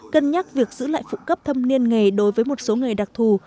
cân nhắc việc giữ lại phụ cấp thâm niên nghề đối với một số nghề đặc thù